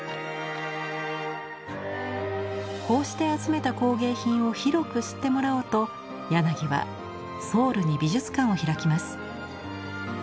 こうして集めた工芸品を広く知ってもらおうと柳はソウルに美術館を開きます。